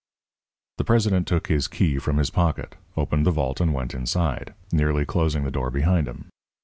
The president took his key from his pocket, opened the vault and went inside, nearly closing the door behind him.